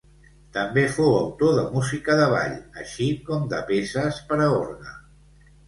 També fou autor de música de ball, així com de peces per a orgue.